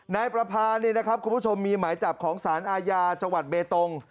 นายประพานี่นะครับคุณผู้ชมมีหมายจับของสารอาญาจังหวัดเบตง